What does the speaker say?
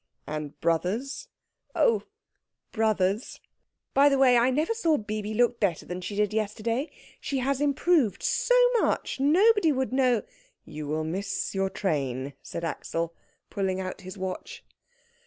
"And brothers." "Oh brothers. By the way, I never saw Bibi look better than she did yesterday. She has improved so much nobody would know " "You will miss your train," said Axel, pulling out his watch.